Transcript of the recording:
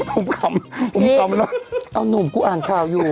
ผมคำผมคำแล้วพี่อ้าวนุ่มกูอ่านข่าวอยู่